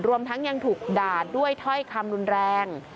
รวมทั้งยังถูกด่าด้วยถ้อยคำรุนแรง